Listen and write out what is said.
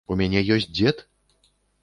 У мяне ёсць дзед?